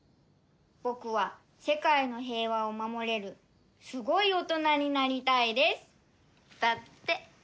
「ぼくは世界の平和を守れるすごい大人になりたいです」だって。